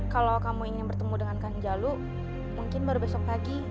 kalau kamu ingin bertemu dengan kang jalu mungkin baru besok pagi